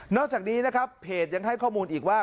อกจากนี้นะครับเพจยังให้ข้อมูลอีกว่า